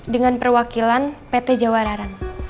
dengan perwakilan pt jawa araran